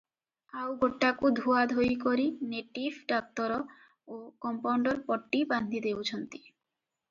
ଆଉ ଗୋଟାକୁ ଧୁଆଧୋଇ କରି ନେଟିଭ ଡାକ୍ତର ଓ କମ୍ପାଉଣ୍ତର ପଟି ବାନ୍ଧିଦେଉଛନ୍ତି ।